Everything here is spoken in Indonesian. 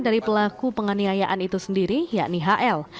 dari pelaku penganiayaan itu sendiri yakni hl